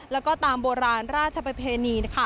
แล้วก็ตามโบราณราชประเพณี